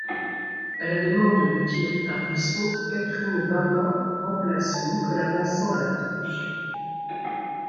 À la demande de Thierry Ardisson, Catherine Barma remplace Nicolas Vincent à la production.